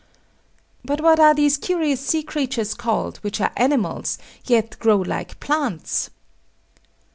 But what are these curious sea creatures called, which are animals, yet grow like plants?